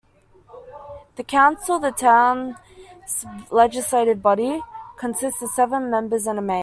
The council, the town's legislative body, consists of seven members and a mayor.